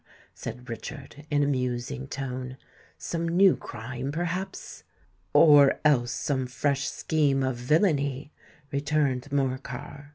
said Richard, in a musing tone. "Some new crime, perhaps?" "Or else some fresh scheme of villany," returned Morcar.